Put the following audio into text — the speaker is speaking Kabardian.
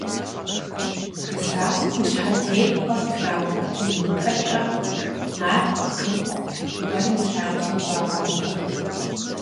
НысащӀэм и щхьэтепхъуэр трапхъуэтын ипэкӀэ ар бгыкъу гуэрым и лъабжьэм щӀагъэувэрт.